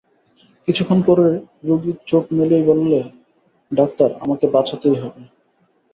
কিছুক্ষণ পরে রোগী চোখ মেলেই বললে, ডাক্তার, আমাকে বাঁচাতেই হবে।